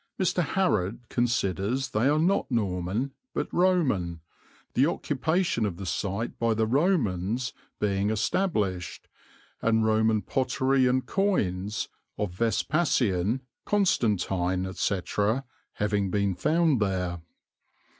Mr. Harrod considers they are not Norman, but Roman, the occupation of the site by the Romans being established, and Roman pottery and coins of Vespasian, Constantine, etc., having been found there.